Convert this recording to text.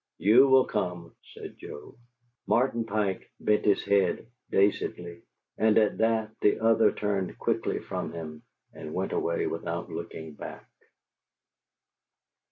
"You will come?" said Joe. Martin Pike bent his head dazedly; and at that the other turned quickly from him and went away without looking back.